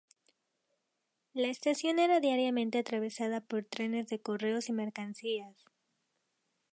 La estación era diariamente atravesada por trenes de Correos y Mercancías.